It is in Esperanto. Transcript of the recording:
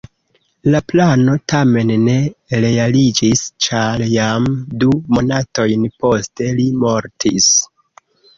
La plano tamen ne realiĝis, ĉar jam du monatojn poste li mortis.